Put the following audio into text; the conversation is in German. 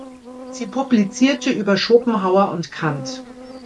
Sie publizierte über Schopenhauer und Kant.